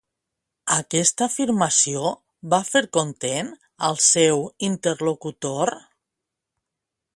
Aquesta afirmació va fer content al seu interlocutor?